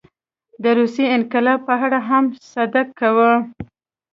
د روسیې انقلاب په اړه هم صدق کوي.